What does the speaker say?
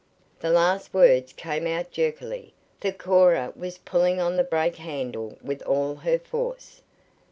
The last words came out jerkily, for Cora was pulling on the brake handle with all her force.